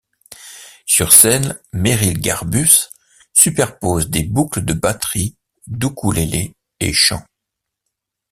Sur scène, Merrill Garbus superpose des boucles de batterie, d'ukulélé et chant.